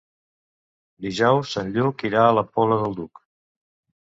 Dijous en Lluc irà a la Pobla del Duc.